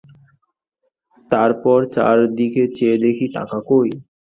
তার পর চার দিকে চেয়ে দেখি, টাকা কই?